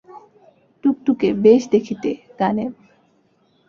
টুকটুকে, বেশ দেখিতে, গানেব।